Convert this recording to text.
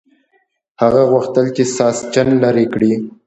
هغه غوښتل چې ساسچن لرې کړي.